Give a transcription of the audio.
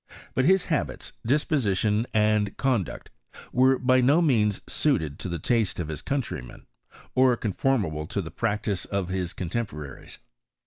But his habits, disposition, and conduct, were by no means suited to the taste of his countrymen, or conformable to the practice of his contemporaries.